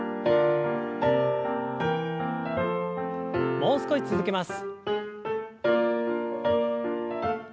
もう少し続けます。